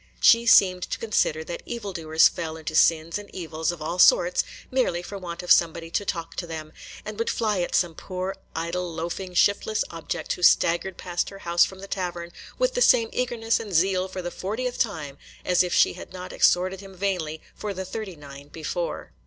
She seemed to consider that evil doers fell into sins and evils of all sorts merely for want of somebody to talk to them, and would fly at some poor, idle, loafing, shiftless object who staggered past her house from the tavern, with the same earnestness and zeal for the fortieth time as if she had not exhorted him vainly for the thirty nine before.